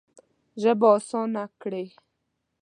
ژبه اسانه کړې.